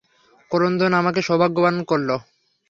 ক্রন্দন আমাকে সৌভাগ্যবান করল।